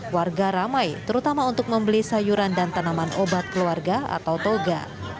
warga ramai terutama untuk membeli sayuran dan tanaman obat keluarga atau toga